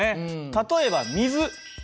例えば水。